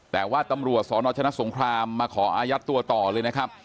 แต่ว่าตำรวจสนชนะสงครามมาขออายัดตัวต่อเลยนะครับ